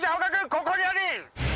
ここにあり！